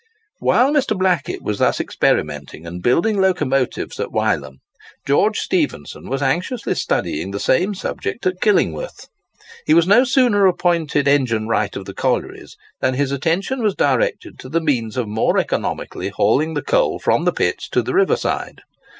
While Mr. Blackett was thus experimenting and building locomotives at Wylam, George Stephenson was anxiously studying the same subject at Killingworth. He was no sooner appointed engine wright of the collieries than his attention was directed to the means of more economically hauling the coal from the pits to the river side.